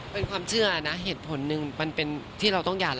เป็นความเชื่อนะเหตุผลหนึ่งมันเป็นที่เราต้องหย่า